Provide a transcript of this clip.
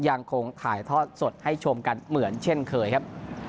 ยังคงถ่ายทอดสดให้ชมกันเหมือนเช่นเคยครับ